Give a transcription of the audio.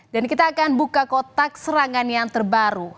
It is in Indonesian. dan kita akan buka kotak serangan yang terbaru